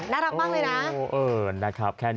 น่ารักมากเลยนะเออนะครับแค่นี้ก็มีความสุขแล้ว